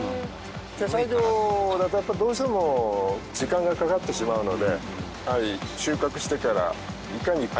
手作業だとやっぱどうしても時間がかかってしまうので。